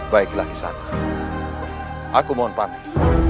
baiklah ishak aku mohon panggil